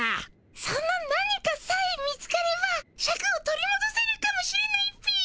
その何かさえ見つかればシャクを取りもどせるかもしれないっピ。